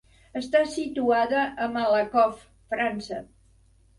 Està situada a Malakoff, França.